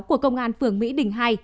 của công an phường mỹ đình hai